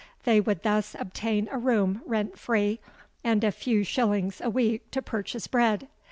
They would thus obtain a room rent free, and a few shillings a week to purchase bread.